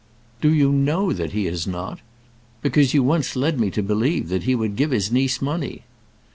"Do you know that he has not? because you once led me to believe that he would give his niece money."